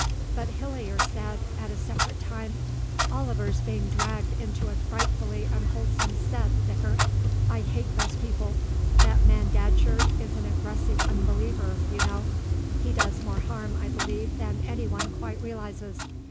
But Hillier said, at a separate time, "Oliver's being dragged into a frightfully unwholesome set, vicar. I hate those people; that man Datcherd is an aggressive unbeliever, you know; he does more harm, I believe, than anyone quite realises.